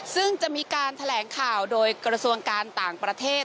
ซึ่งจะมีการแถลงข่าวโดยกระทรวงการต่างประเทศ